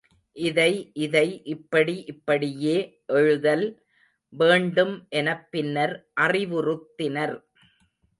இதை இதை இப்படி இப்படியே எழுதல் வேண்டும் எனப் பின்னர் அறிவுறுத்தினர்.